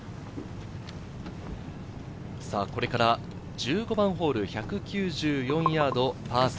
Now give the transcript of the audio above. これから１５番ホール、１９４ヤード、パー３。